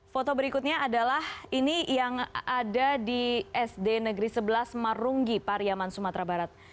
foto berikutnya adalah ini yang ada di sd negeri sebelas marunggi pariaman sumatera barat